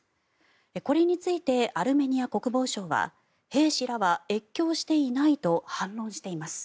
これについてアルメニア国防省は兵士らは越境していないと反論しています。